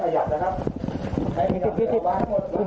นางแล้วลง